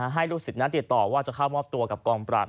ให้ลูกศิษย์นั้นติดต่อว่าจะเข้ามอบตัวกับกองปราบ